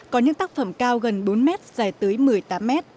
có những tác phẩm cao gần bốn mét dài tới một mươi tám m